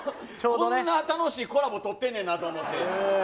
こんな楽しいコラボ撮ってんねんなと思って。